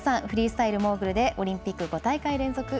フリースタイルモーグルでオリンピック５大会連続